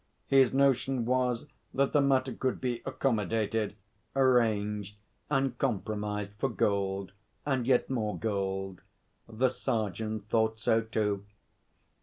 His notion was that the matter could be accommodated, arranged and compromised for gold, and yet more gold. The sergeant thought so too.